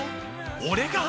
俺が！？